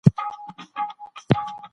د بل مرسته کول انساني دنده ده.